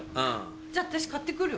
じゃあ私買ってくるよ。